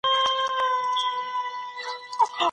باید په غوسه کې د پرېکړې پر ځای لږ ارامه شو.